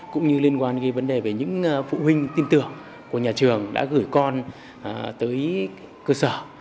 cũng như liên quan đến vấn đề về những phụ huynh tin tưởng của nhà trường đã gửi con tới cơ sở